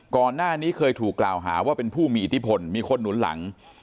ก่อนหน้านี้เคยถูกกล่าวหาว่าเป็นผู้มีอิทธิพลมีคนหนุนหลัง